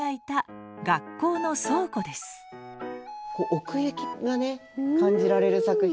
奥行きがね感じられる作品。